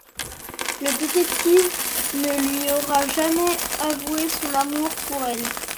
Le détective ne lui aura jamais avoué son amour pour elle.